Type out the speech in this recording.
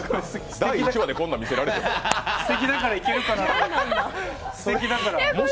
第１話でこんなの見せられても。